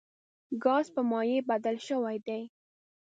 ګاز په مایع بدل شوی دی.